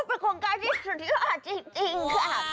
อุ๊ยเป็นโครงการที่สุดยอดจริงค่ะ